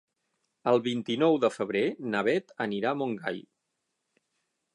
El vint-i-nou de febrer na Beth anirà a Montgai.